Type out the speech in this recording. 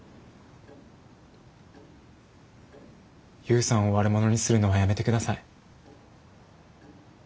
悠さんを悪者にするのはやめて下さい。